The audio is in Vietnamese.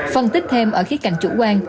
phân tích thêm ở khía cạnh chủ quan